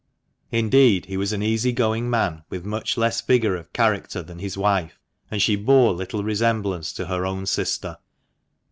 Indeed, he was an easy going man, with much less vigour of character than his wife ; and she bore little resemblance to her own sister.